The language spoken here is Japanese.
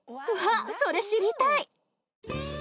わっそれ知りたい！